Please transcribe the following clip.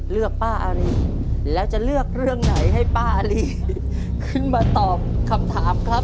เลือกป้าอารีแล้วจะเลือกเรื่องไหนให้ป้าอารีขึ้นมาตอบคำถามครับ